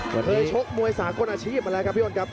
ก็เคยชกมวยสากลอาชีพมาแล้วครับพี่อ้นครับ